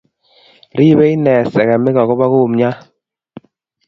Ripei ine sekemik akopo kumyat